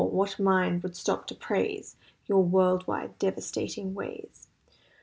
What mind would stop to praise Your world wide devastating ways.